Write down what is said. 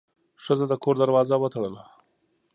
ښځه د کور دروازه وتړله.